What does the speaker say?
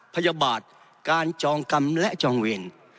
พยาบาลการจองกรรมและจองเวร